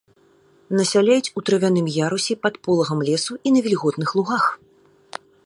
Насяляюць у травяным ярусе пад полагам лесу і на вільготных лугах.